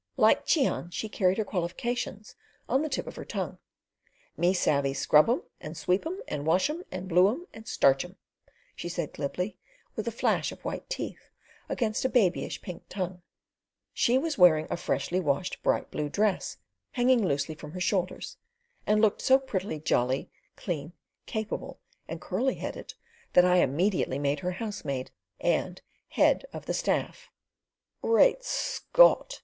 Like Cheon she carried her qualifications on the tip of her tongue: "Me savey scrub 'im, and sweep 'im, and wash 'im, and blue 'im, and starch 'im," she said glibly, with a flash of white teeth against a babyish pink tongue. She was wearing a freshly washed bright blue dress, hanging loosely from her shoulders, and looked so prettily jolly, clean, capable, and curly headed, that I immediately made her housemaid and Head of the Staff. "Great Scott!"